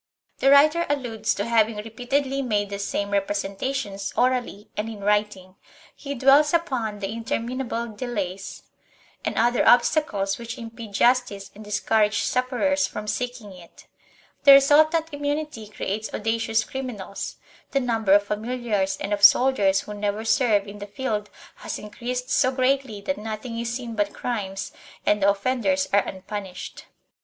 The writer alludes to having re peatedly made the same representations orally and in writing; he dwells upon the interminable delays and other obstacles which impede justice and discourage sufferers from seeking it. The resultant immunity creates audacious criminals; the number of familiars and of soldiers who never serve in the field has increased so greatly that nothing is seen but crimes and the offenders are unpunished.